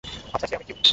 আচ্ছা সে অনেক কিউট।